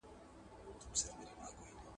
• زوړ يار، ځين کړی آس دئ.